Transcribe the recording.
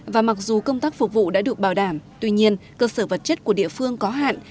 và mặc dù công tác phục vụ đã được bảo đảm tuy nhiên cơ sở vật chất của địa phương có hạn